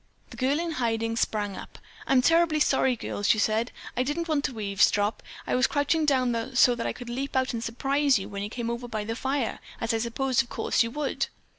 The girl in hiding sprang up. "I'm terribly sorry, girls," she said. "I didn't want to eavesdrop. I was crouching down so that I could leap out and surprise you when you came over by the fire, as I supposed of course you would."